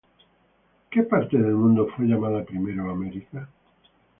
¿Qué parte del mundo fue llamada primero América?